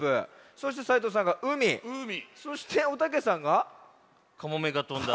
そして斉藤さんが「うみ」そしておたけさんが「カモメが飛んだ」。